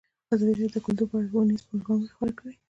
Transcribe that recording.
ازادي راډیو د کلتور په اړه ښوونیز پروګرامونه خپاره کړي.